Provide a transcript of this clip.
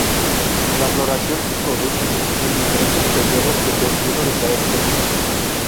La floración se produce en diferentes periodos, dependiendo de cada especie.